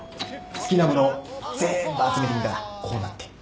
好きなものをぜーんぶ集めてみたらこうなって